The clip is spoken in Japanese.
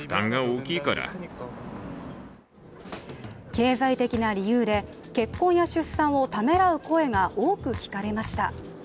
経済的な理由で結婚や出産をためらう声が多く聞かれました。